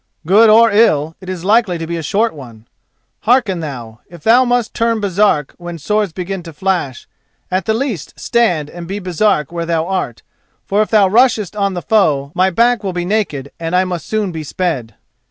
"Good or ill, it is likely to be a short one. Hearken thou: if thou must turn Baresark when swords begin to flash, at the least stand and be Baresark where thou art, for if thou rushest on the foe, my back will be naked and I must soon be sped."